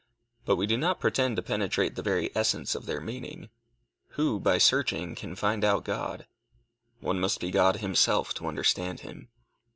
But we do not pretend to penetrate the very essence of their meaning. Who by searching can find out God? One must be God himself to understand him.